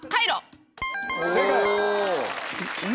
正解。